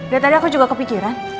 lihat aja aku juga kepikiran